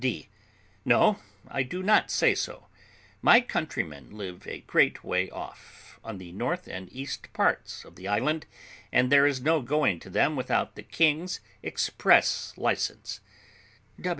D. No, I do not say so; my countrymen live a great way off, on the north and east parts of the island, and there is no going to them without the king's express license.